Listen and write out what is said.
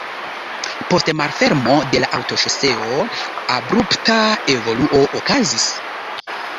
Post malfermo de la aŭtoŝoseo abrupta evoluo okazis.